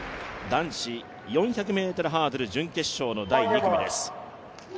男子４００ｍハードル準決勝の第２組です。